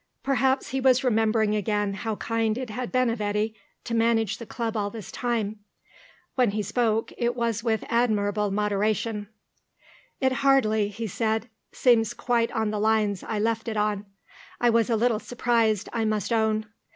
Perhaps he was remembering again how kind it had been of Eddy to manage the Club all this time. When he spoke, it was with admirable moderation. "It hardly," he said, "seems quite on the lines I left it on. I was a little surprised, I must own.